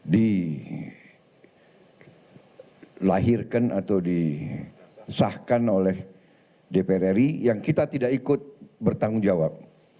dilahirkan atau disahkan oleh dpr ri yang kita tidak ikut bertanggung jawab